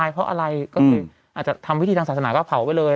ก็คืออาจจะทำวิธีทางศาสนาว่าเผาไว้เลย